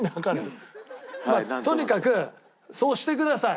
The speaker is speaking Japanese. とにかくそうしてください。